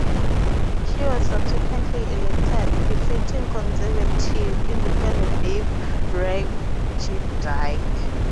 She was subsequently elected, defeating conservative independent Dave Rugendyke.